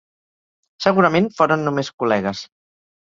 Segurament foren només col·legues.